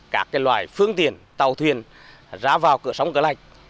các loại phương tiện tàu thuyền ra vào cửa sóng cửa lạch